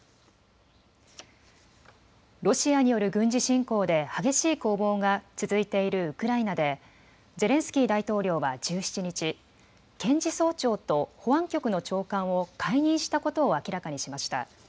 ロシアによる軍事侵攻で激しい攻防が続いているウクライナでゼレンスキー大統領は１７日、検事総長と保安局の長官を解任したことを明らかにしました。